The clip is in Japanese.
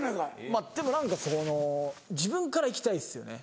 まぁでも何かその自分から行きたいですよね。